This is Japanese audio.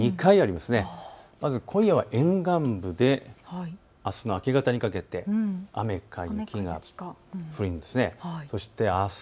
まず今夜は沿岸部で、あすの明け方にかけて雨か雪が降るんです。